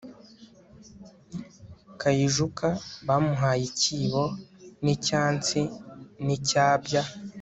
kayijuka bamuhaye icyibo ,n'icyansi n'icyabya